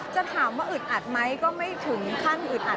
จะถามว่าอึดอัดไหมก็ไม่ถึงขั้นอึดอัด